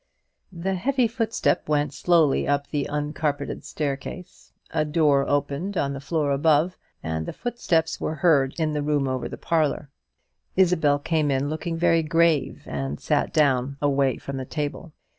The heavy footsteps went slowly up the uncarpeted staircase, a door opened on the floor above, and the footsteps were heard in the room over the parlour. Isabel came in, looking very grave, and sat down, away from the table.